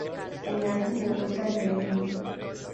El álbum debuta en el Núm.